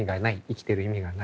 生きてる意味がない。